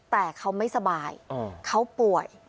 แต่เขาไม่สบายเขาป่วย